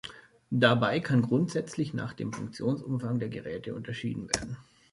Dabei kann grundsätzlich nach dem Funktionsumfang der Geräte unterschieden werden.